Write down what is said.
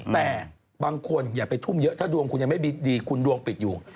แต่บางคนอย่าไปทุ่มเยอะถ้าดวงคุณยังไม่ดีคุณดวงปิดอยู่